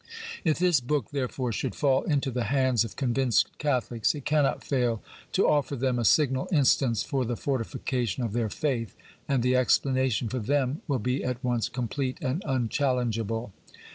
If this book, therefore, should i'all into the hands of convinced Catholics, it cannot fail to ofiTer them a signal instance for the fortifi cation of their faith, and the explanation for them will be at once complete and unchallengeable.